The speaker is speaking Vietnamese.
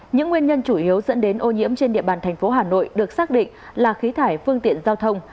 những nguyên nhân chủ yếu dẫn đến ô nhiễm trên địa bàn thành phố hà nội được xác định là khí thải phương tiện giao thông